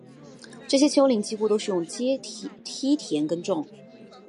这些丘陵几乎都是用梯田耕种